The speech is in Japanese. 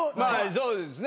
そうですね。